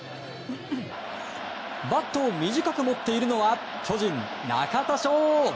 バットを短く持っているのは巨人、中田翔。